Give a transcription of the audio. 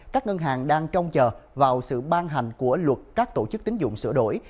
các ngân hàng đang trông chờ vào sự ban hành của luật các tổ chức tính dụng sửa đổi